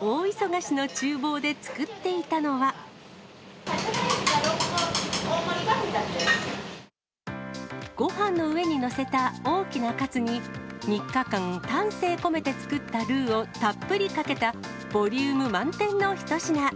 大忙しのちゅう房で作っていカツハヤシが６個、大盛りがごはんの上に載せた大きなカツに、３日間丹精込めて作ったルーをたっぷりかけた、ボリューム満点の一品。